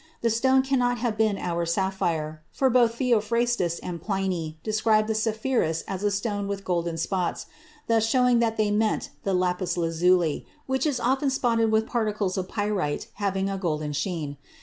The stone cannot have been our sapphire, for both Theophrastus and Pliny describe the sapphirus as a stone with golden spots, thus showing that they meant the lapis lazuli, which is often spotted with particles of pyrites having a golden sheen.